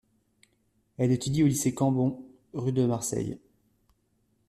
Elle étudie au lycée Cambon, rue de Marseille.